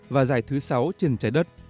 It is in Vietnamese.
và dài thứ sáu trên trái đất